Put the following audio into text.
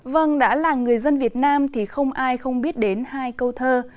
vâng đã là người dân việt nam thì không ai không biết đến hai câu thơ